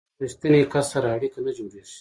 ریښتیني کس سره اړیکه نه جوړیږي.